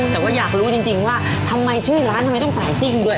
แต่ว่าอยากรู้จริงว่าทำไมชื่อร้านทำไมต้องใส่ซิ่งด้วย